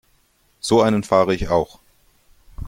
So einen fahre ich auch.